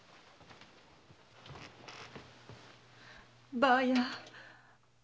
ばあや。